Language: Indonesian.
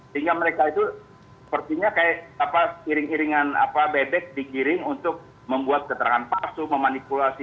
sehingga mereka itu sepertinya kayak apa iring iringan apa bebek dikiring untuk membuat keterangan pasu memanipulasi